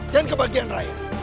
dan kebahagiaan rayang